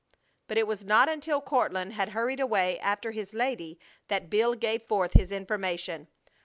But it was not until Courtland had hurried away after his lady that Bill gave forth his information.